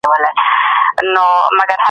نوم په ټولو منابعو او رسنیو کي اعلان سي او